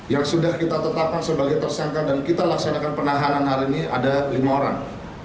yang sudah kita tetapkan sebagai tersangka dan kita laksanakan penahanan hari ini ada lima orang